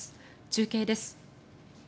中継です。